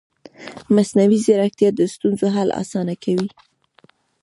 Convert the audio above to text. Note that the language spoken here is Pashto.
مصنوعي ځیرکتیا د ستونزو حل اسانه کوي.